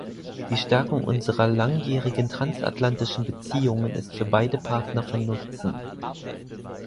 Die Stärkung unserer langjährigen transatlantischen Beziehungen ist für beide Partner von Nutzen.